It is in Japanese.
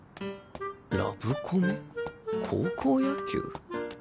ラブコメ高校野球？